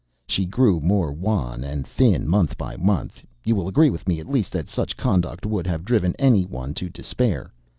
She grew more wan and thin month by month. You will agree with me, at least, that such conduct would have driven any one to despair.